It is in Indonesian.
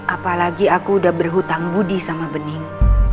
apalagi aku udah berhutang budi sama bening